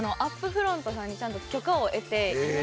フロントさんにちゃんと許可を得て。